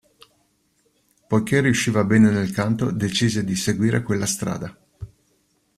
Poiché riusciva bene nel canto decise di seguire quella strada.